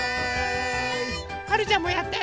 はるちゃんもやって。